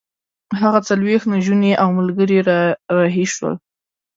هغه څلوېښت نجونې او ملګري را رهي شول.